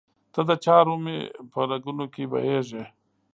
دچا روح مي په رګونو کي بهیږي